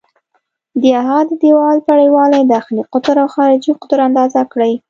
د هغه د دیوال پرېړوالی، داخلي قطر او خارجي قطر اندازه کړئ.